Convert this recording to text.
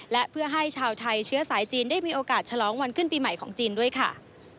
และเพื่อให้ชาวไทยเชื้อสายจีนได้มีโอกาสฉลองวันขึ้นปีใหม่ของจีนด้วยค่ะ